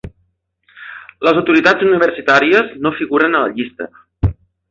Les autoritats universitàries no figuren a la llista.